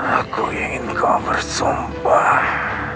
aku ingin kau bersumpah